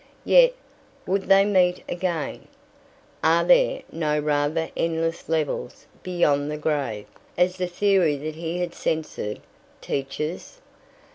Yet, would they meet again? Are there not rather endless levels beyond the grave, as the theory that he had censured teaches?